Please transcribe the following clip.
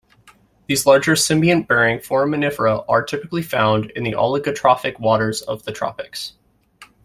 These larger symbiont-bearing foraminifera are typically found in the oligotrophic waters of the tropics.